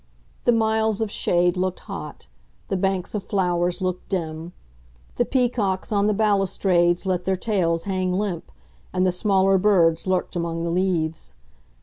The miles of shade looked hot, the banks of flowers looked dim; the peacocks on the balustrades let their tails hang limp and the smaller birds lurked among the leaves.